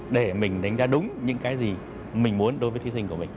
để mình đánh giá đúng những cái gì mình muốn đối với thí sinh của mình